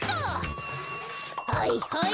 はいはい！